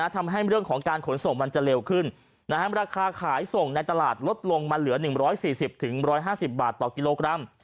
ทำให้เรื่องของการขนส่งมันจะเร็วขึ้นราคาขายส่งในตลาดลดลงมาเหลือ๑๔๐๑๕๐บาทต่อกิโลกรัม